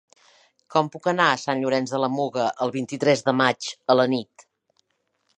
Com puc anar a Sant Llorenç de la Muga el vint-i-tres de maig a la nit?